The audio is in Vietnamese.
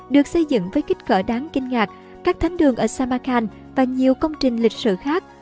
được xây dựng với kích cỡ đáng kinh ngạc các thánh đường ở samacan và nhiều công trình lịch sử khác